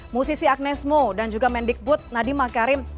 musisi agnez mo dan juga mendik but nadiem makarim